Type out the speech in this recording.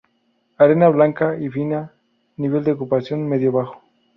Arena blanca y fina, nivel de ocupación medio-bajo.